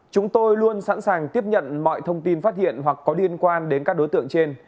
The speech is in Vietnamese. chúng tôi luôn sẵn sàng tiếp nhận mọi thông tin phát hiện hoặc có liên quan đến các đối tượng trên